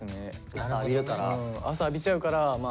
朝浴びちゃうからまあ。